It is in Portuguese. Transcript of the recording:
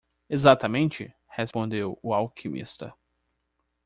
"Exatamente?" respondeu o alquimista.